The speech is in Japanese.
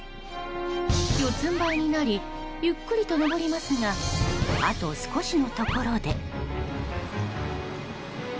四つんばいになりゆっくりと上りますがあと少しのところで。